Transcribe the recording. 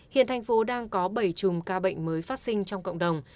hiện thành phố đang có bảy chùm ca bệnh mới phát sinh trong cộng đồng